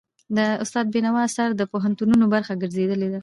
د استاد بينوا آثار د پوهنتونونو برخه ګرځېدلي دي.